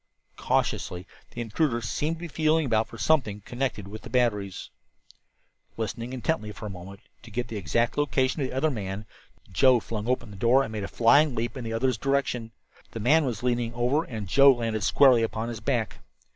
Cautiously the intruder seemed to be feeling about for something connected with the batteries. Listening intently for a moment, to get the exact location of the other man, Joe flung open the door and made a flying leap in the other's direction. The man was leaning over, and Joe landed squarely upon his back.